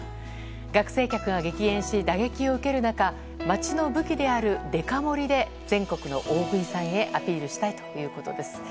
学生客が激減し打撃を受ける中町の武器であるデカ盛りで全国の大食いさんへアピールしたいということです。